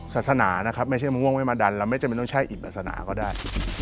ศาสนานะครับไม่ใช่มะม่วงไม่มาดันเราไม่จำเป็นต้องใช้อิ่มศาสนาก็ได้